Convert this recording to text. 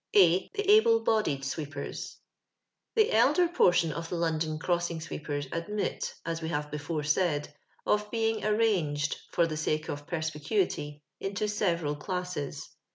A, The Able Bodied Sweepers. The elder portion of the London crossing sweepers admit, as we have before said, of being arranged, for the sake of perspicuity, into several classes.